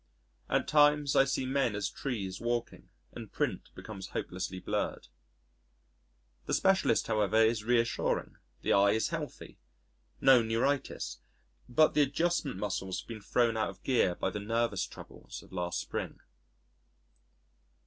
At times, I see men as trees walking and print becomes hopelessly blurred. The Specialist however is reassuring. The eye is healthy no neuritis but the adjustment muscles have been thrown out of gear by the nervous troubles of last spring.